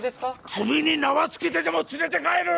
首に縄つけてでも連れて帰る！